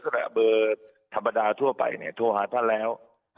ไม่สำหรับเบอร์ธรรมดาทั่วไปเนี่ยโทรหาท่าแล้ว